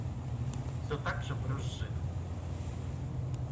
Все так же брюзжит.